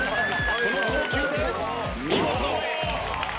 この投球で見事。